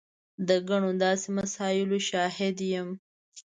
د ګڼو داسې مسایلو شاهد یم.